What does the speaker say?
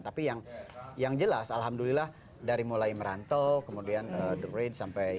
tapi yang jelas alhamdulillah dari mulai merantau kemudian the rate sampai